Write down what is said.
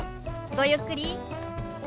ごゆっくり。